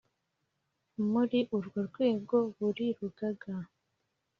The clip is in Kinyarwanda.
Muri urwo rwego buri rugaga